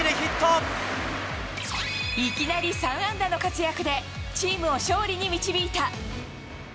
いきなり３安打の活躍で、チームを勝利に導いた。